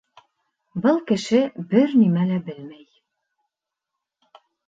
Был кеше бер нимә лә белмәй.